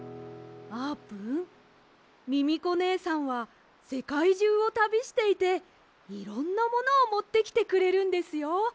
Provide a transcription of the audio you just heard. あーぷんミミコねえさんはせかいじゅうをたびしていていろんなものをもってきてくれるんですよ。